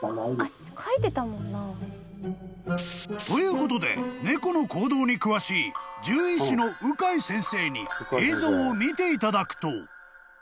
［ということで猫の行動に詳しい獣医師の鵜海先生に映像を見ていただくと］